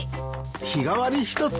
日替わり１つ。